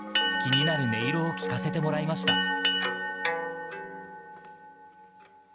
気になる音色を聞かせてもらいました。